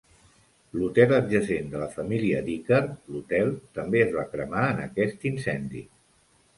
L'hotel adjacent de la família Dicker l'hotel també es va cremar en aquest incendi.